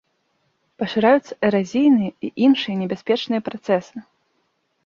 Пашыраюцца эразійныя і іншыя небяспечныя працэсы.